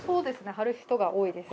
貼る人が多いです。